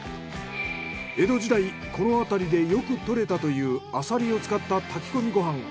江戸時代この辺りでよく獲れたというアサリを使った炊き込みご飯